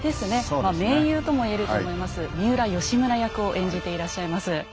まあ盟友とも言えると思います三浦義村役を演じていらっしゃいます。